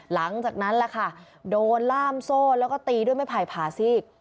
หลังจากนั้นดูดร่ามโซแล้วก็ตีด้วยไม่ไผ่ผ่าซีก